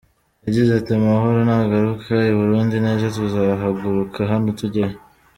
Yagize ati “Amahoro nagaruka i Burundi neza tuzahaguruka hano tujyeyo.